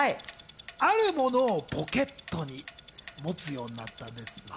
あるものをポケットに持つようになったんです。